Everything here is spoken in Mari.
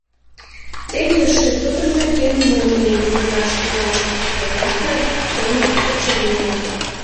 — Теве эше тудын нерген «молнийым» лукташ кӱлеш, — ойла Харитонов Качырийлан.